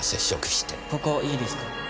ここいいですか？